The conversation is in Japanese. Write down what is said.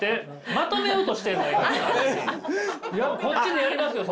いやこっちでやりますよ！